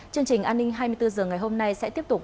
chương trình an ninh hai mươi bốn h ngày hôm nay sẽ tiếp tục